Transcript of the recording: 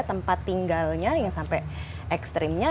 tempat tinggalnya yang sampai ekstrimnya